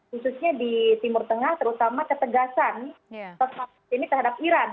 khususnya di timur tengah terutama ketegasan ini terhadap iran